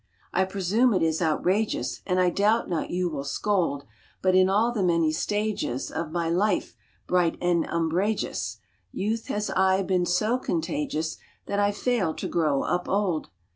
" I presume it is outrageous, And I doubt not you will scold, But in all the many stages Of my life, bright and umbrageous Youth has aye been so contagious That I ve failed to grow up old